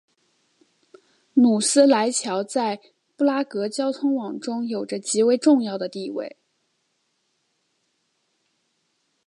努斯莱桥在布拉格交通网中有着极为重要的地位。